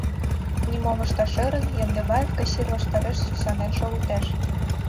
Нимом ышташ ӧрын, Яндыбаев кассир ваштареш сӱсанен шогылтеш.